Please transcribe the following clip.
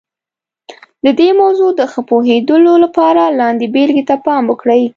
د دې موضوع د ښه پوهېدلو لپاره لاندې بېلګې ته پام وکړئ.